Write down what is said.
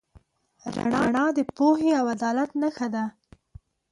رڼا د پوهې او عدالت نښه ده.